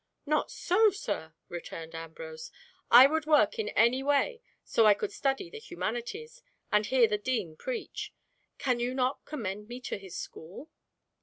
"Not so, sir," returned Ambrose, "I would work in any way so I could study the humanities, and hear the Dean preach. Cannot you commend me to his school?"